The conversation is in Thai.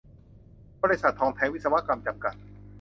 บริษัท ทองแท้วิศวกรรม จำกัด